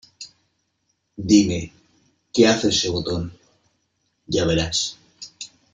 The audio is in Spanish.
¿ Dime , qué hace ese botón ? Ya verás .